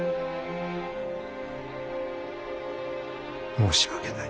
申し訳ない。